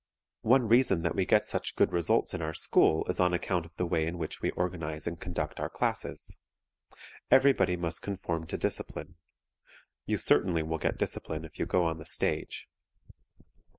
One reason that we get such good results in our school is on account of the way in which we organize and conduct our classes. Everybody must conform to discipline. You certainly will get discipline if you go on the stage.